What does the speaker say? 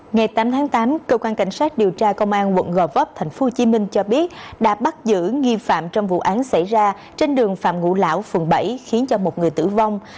ngày tám tháng tám cơ quan cảnh sát điều tra công an quận gò vấp tp hcm cho biết đã bắt giữ nghi phạm trong vụ án xảy ra trên đường phạm ngũ lão phường bảy khiến cho một người tử vong